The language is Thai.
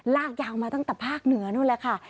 ลากยาวมาตั้งแต่ภาคเหนือนู้นแหละค่ะ